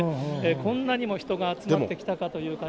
こんなにも人が集まってきたかという感じ。